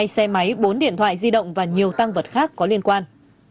hai xe máy bốn điện thoại di động và nhiều tăng vật khác có liên quan